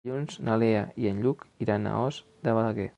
Dilluns na Lea i en Lluc iran a Os de Balaguer.